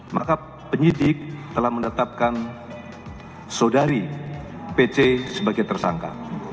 maka penyidik telah menetapkan saudari pc sebagai tersangka